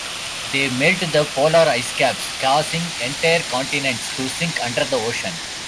They melt the polar ice caps, causing entire continents to sink under the ocean.